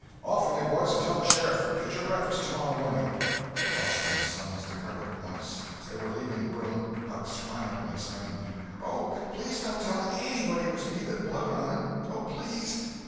Off with you, boys, and tell the sheriff—get your breakfast tomorrow morning!" The Welshman's sons departed at once. As they were leaving the room Huck sprang up and exclaimed: "Oh, please don't tell _any_body it was me that blowed on them! Oh, please!"